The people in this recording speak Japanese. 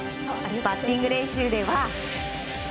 バッティング練習では。